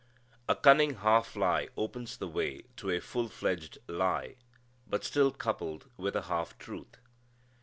A cunning half lie opens the way to a full fledged lie, but still coupled with a half truth.